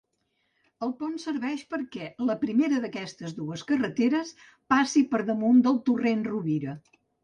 El pont serveix perquè la primera d'aquestes dues carreteres passi per damunt del torrent Rovira.